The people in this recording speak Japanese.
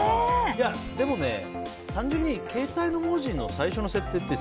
でも、単純に携帯の文字の最初の設定って